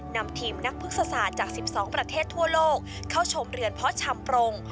นำทีมนักพฤกษาจาก๑๒ประเทศทั่วโลกเข้าชมเรือนเพาะชำปรง